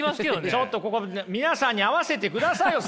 ちょっとここで皆さんに会わせてくださいよ！